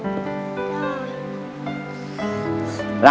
รักนะ